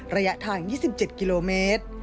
ระยะทาง๒๗กิโลเมตร